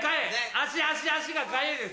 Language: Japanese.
足足足がかゆいです。